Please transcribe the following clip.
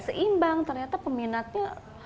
seimbang ternyata peminatnya